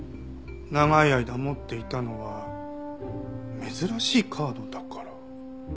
長い間持っていたのは珍しいカードだから？